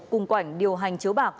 cùng quảnh điều hành chiếu bạc